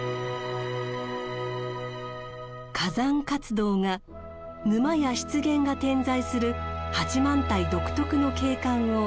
火山活動が沼や湿原が点在する八幡平独特の景観を生み出したのです。